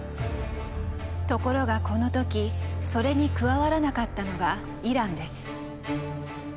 ところがこの時それに加わらなかったのがイランです。